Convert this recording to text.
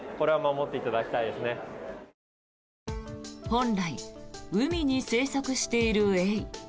本来、海に生息しているエイ。